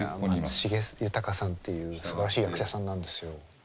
松重豊さんというすばらしい役者さんなんですよ。